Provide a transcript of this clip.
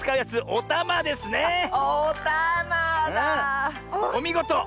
おみごと！